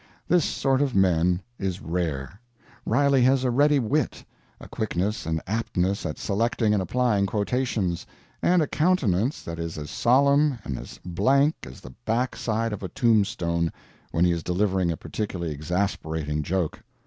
This sort of men is rare. Riley has a ready wit, a quickness and aptness at selecting and applying quotations, and a countenance that is as solemn and as blank as the back side of a tombstone when he is delivering a particularly exasperating joke.